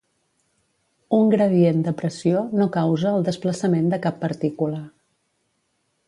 Un gradient de pressió no causa el desplaçament de cap partícula.